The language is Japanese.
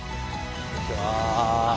こんにちは。